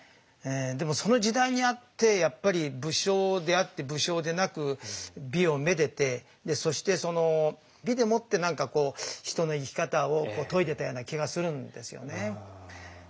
でもその時代にあってやっぱり武将であって武将でなく美をめでてそして美でもって何かこう人の生き方を説いてたような気がするんですよね。